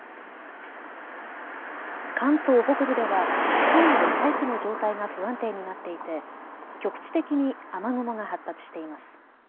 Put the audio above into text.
関東北部ではきょうも大気の状態が不安定になっていて局地的に雨雲が発達しています。